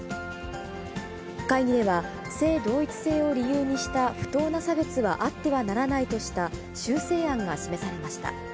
会議では、性同一性を理由とした不当な差別はあってはならないとした修正案が示されました。